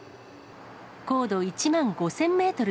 高度１万５０００メートル